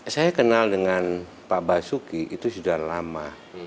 saya kenal dengan pak basuki itu sudah lama